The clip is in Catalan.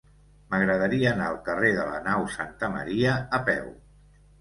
M'agradaria anar al carrer de la Nau Santa Maria a peu.